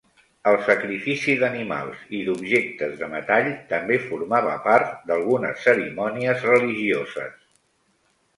El sacrifici d'animals i d'objectes de metall també formava part d'algunes cerimònies religioses.